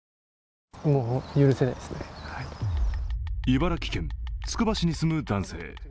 茨城県つくば市に住む男性。